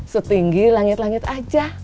setinggi langit langit aja